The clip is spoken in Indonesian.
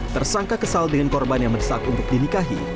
tersangka kesal dengan korban yang mendesak untuk dinikahi